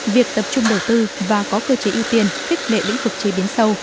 việc tập trung đầu tư và có cơ chế ưu tiên khích lệ lĩnh vực chế biến sâu